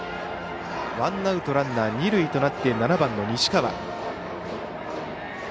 ワンアウトランナー、二塁となって７番の西川。